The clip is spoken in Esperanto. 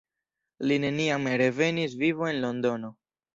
Li neniam revenis vivo en Londono.